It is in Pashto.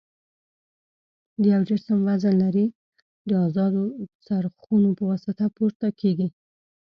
د یو جسم وزن لري د ازادو څرخونو په واسطه پورته کیږي.